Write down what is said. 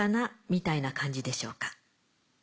みたいな感じでしょうか。